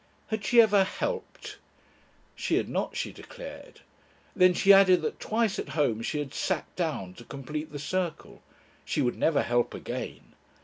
Had she ever "helped"? She had not, she declared. Then she added that twice at home she had "sat down" to complete the circle. She would never help again.